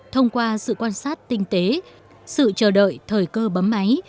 thông qua sự quan sát tinh tế sự chờ đợi thời cơ bấm máy